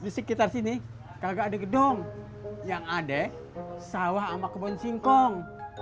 sementara sini kagak ada gedung yang ada sawah sama kebun singkong